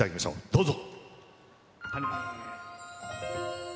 どうぞ。